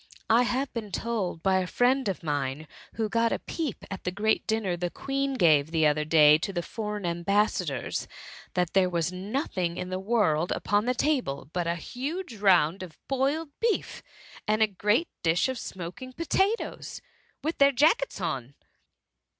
I have been told by a friend of mine, ii^bo got a peep at the great dinner the Queen gave the other day to the foreign am* bassadors, that there was nothing in the world Upon the table, but a huge round of boiled beef, and a great dish of smoking potatoes, with their jackets on."